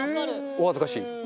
お恥ずかしい。